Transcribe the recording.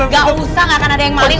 gak usah gak akan ada yang maling